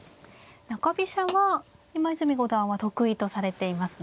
中飛車は今泉五段は得意とされていますね。